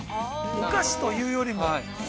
◆お菓子というよりも？